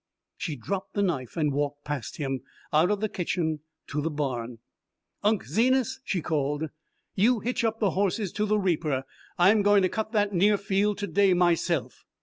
She dropped the knife and walked past him, out of the kitchen, to the barn. "Unc' Zenas," she called, "you hitch up the horses to the reaper. I'm going to cut that near field to day myself."